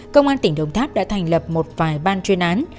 công an tp đông tháp đã thành lập một vài ban chuyên án